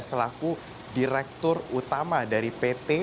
selaku direktur utama dari pt